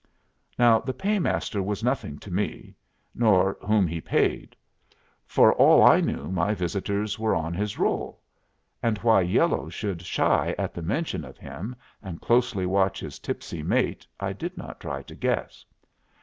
Now the paymaster was nothing to me, nor whom he paid. For all I knew, my visitors were on his roll; and why yellow should shy at the mention of him and closely watch his tipsy mate I did not try to guess.